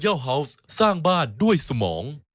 ชูเวทตีแสดหน้า